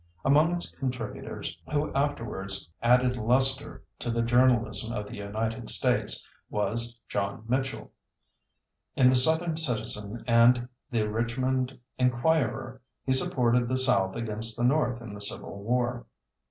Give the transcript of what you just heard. Among its contributors, who afterwards added lustre to the journalism of the United States, was John Mitchel. In the Southern Citizen and the Richmond Enquirer he supported the South against the North in the Civil War.